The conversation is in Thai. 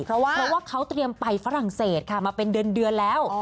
เพราะว่าเขาเตรียมไปฝรั่งเศสค่ะมาเป็นเดือนแล้ว